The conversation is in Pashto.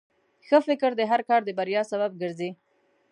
ښه فکر د هر کار د بریا سبب ګرځي.